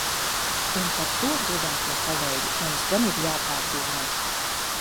Un par to, godātie kolēģi, mums gan ir jāpārdomā!